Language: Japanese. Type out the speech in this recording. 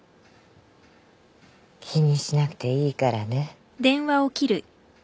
気にしなくていいからね。